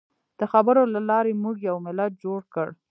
د خبرو له لارې موږ یو ملت جوړ کړ.